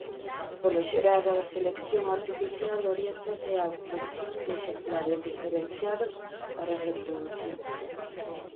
Polo xeral a selección artificial oriéntase á obtención de exemplares diferenciados para a reprodución.